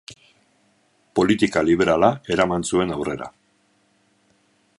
Politika liberala eraman zuen aurrera.